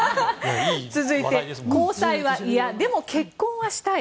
続いて交際は嫌でも結婚はしたい。